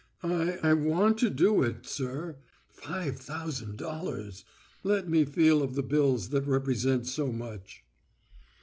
"I—I want to do it, sir. Five thousand dollars! Let me feel of the bills that represent so much."